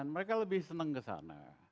mereka lebih senang ke sana